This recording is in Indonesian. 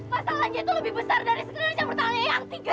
masalahnya itu lebih besar dari sekretaris yang bertanggung jawab yang tiga